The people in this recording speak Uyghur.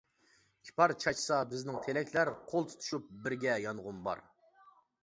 ئىپار چاچسا بىزنىڭ تىلەكلەر، قول تۇتۇشۇپ بىرگە يانغۇم بار.